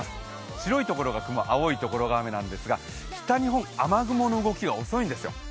白いところが雲、青いところが雨なんですが、北日本、雨雲の動きが遅いんですよ。